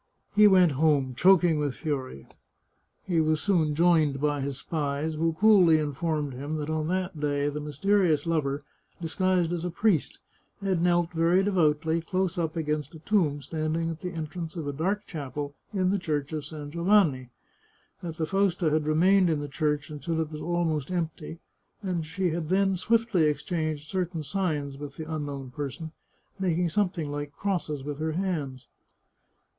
He went home, choking with fury. He was soon joined by his spies, who coolly informed him that on that day the mysterious lover, disguised as a priest, had knelt very de voutly close up against a tomb standing at the entrance of a dark chapel in the Church of San Giovanni; that the Fausta had remained in the church until it was almost empty, and that she had then swiftly exchanged certain signs with the unknown person, making something like crosses with her hands.